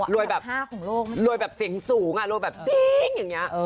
รวยแบบเสียงสูงจริงอย่างนี้